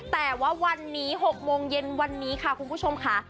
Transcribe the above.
แต่ว่าวันนี้๖โมงเย็นวันนี้ค่ะคุณผู้ชมค่ะ